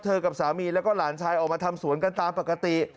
กับสามีแล้วก็หลานชายออกมาทำสวนกันตามปกติ